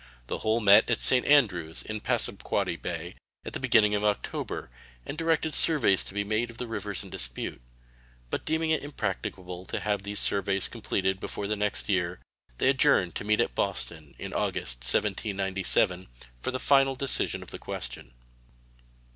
The whole met at St. Andrew's, in Passamaquoddy Bay, in the beginning of October, and directed surveys to be made of the rivers in dispute; but deeming it impracticable to have these surveys completed before the next year, they adjourned to meet at Boston in August, 1797, for the final decision of the question.